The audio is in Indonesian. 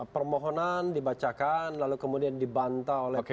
permohonan dibacakan lalu kemudian dibantah oleh penyidik